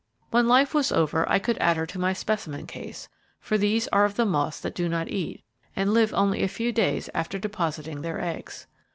When life was over I could add her to my specimen case, for these are of the moths that do not eat, and live only a few days after depositing their eggs.